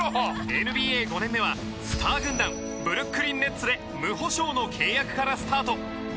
ＮＢＡ５年目はスター軍団ブルックリンネッツで無保証の契約からスタート。